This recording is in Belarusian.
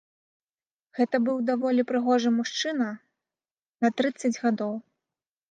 Гэта быў даволі прыгожы мужчына на трыццаць гадоў.